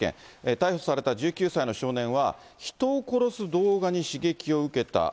逮捕された１９歳の少年は、人を殺す動画に刺激を受けた。